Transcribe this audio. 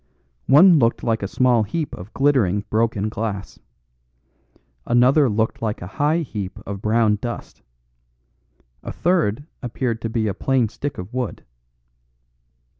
One looked like a small heap of glittering broken glass. Another looked like a high heap of brown dust. A third appeared to be a plain stick of wood.